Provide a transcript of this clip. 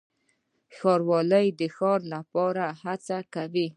ښاروالي د ښار لپاره څه کوي؟